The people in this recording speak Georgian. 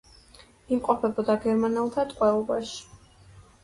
იმყოფებოდა გერმანელთა ტყვეობაში.